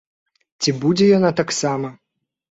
Ці будзе яна таксама?